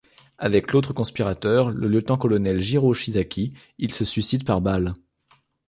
Avec l'autre conspirateur, le lieutenant-colonel Jirō Shiizaki, il se suicide par balle.